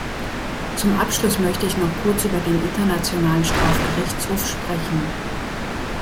Zum Abschluss möchte ich noch kurz über den Internationalen Strafgerichtshof sprechen.